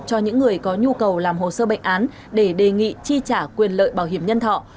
cho những người có nhu cầu làm hồ sơ bệnh án để đề nghị chi trả quyền lợi bảo hiểm nhân thọ